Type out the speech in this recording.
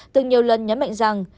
từng nhiều lần nhấn mạnh rằng